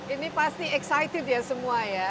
ini pasti excited ya semua ya